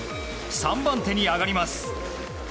３番手に上がります。